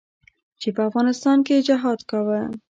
چې په افغانستان کښې يې جهاد کاوه.